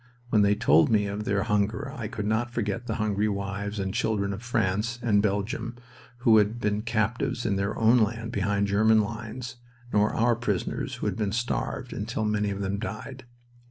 When they told me of their hunger I could not forget the hungry wives and children of France and Belgium, who had been captives in their own land behind German lines, nor our prisoners who had been starved, until many of them died.